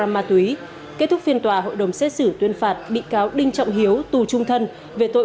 ma túy kết thúc phiên tòa hội đồng xét xử tuyên phạt bị cáo đinh trọng hiếu tù trung thân về tội